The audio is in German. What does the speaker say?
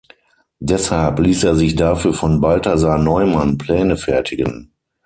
Deshalb ließ er sich dafür von Balthasar Neumann Pläne fertigen.